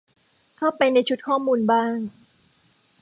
เข้าไปในชุดข้อมูลบ้าง